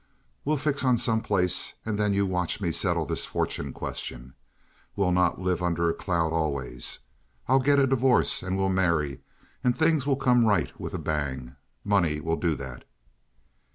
We'll fix on some place, and then you watch me settle this fortune question. We'll not live under a cloud always. I'll get a divorce, and we'll marry, and things will come right with a bang. Money will do that."